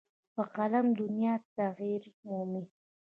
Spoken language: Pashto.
په قلم دنیا تغیر مومي.